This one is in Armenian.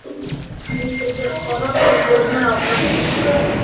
Մի տգեղ պառավ դժգոհում է ապրանքից։